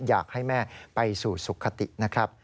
อยากให้แม่ไปสู่สุขตินะครับ